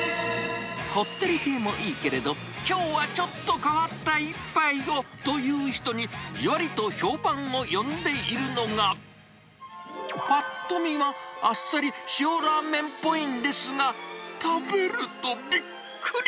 こってり系もいいけれど、きょうはちょっと変わった一杯をという人に、じわりと評判を呼んでいるのが、ぱっと見は、あっさり塩ラーメンっぽいんですが、食べるとびっくり。